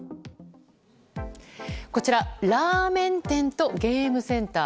こちら、ラーメン店とゲームセンター。